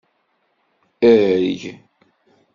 Erg!